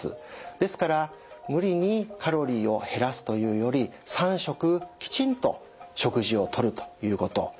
ですから無理にカロリーを減らすというより３食きちんと食事をとるということ。